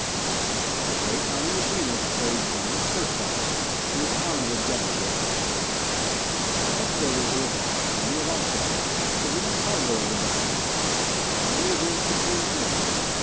The great army of Venus carried giant searchlights and was armed with deadly ray guns. Headquarters of the vast Army of Offense was in the targo of the Belas. Larner was in supreme command.